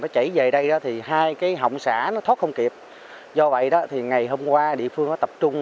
chiều ngày hai tháng một mươi